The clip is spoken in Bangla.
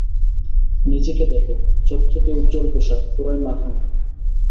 নিজেকে দেখ চকচকে উজ্জল পোষাক পুরাই মাখন!